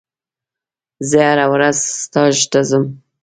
زه هره ورځ ستاژ ته ځم.